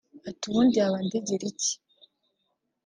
Ati “ubundi yaba andegera iki